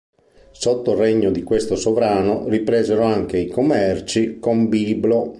Sotto il regno di questo sovrano ripresero anche i commerci con Biblo.